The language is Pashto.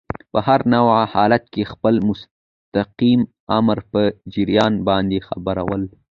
په هر نوع حالت کي خپل مستقیم آمر په جریان باندي خبرول.